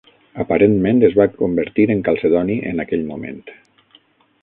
Aparentment es va convertir en calcedoni, en aquell moment.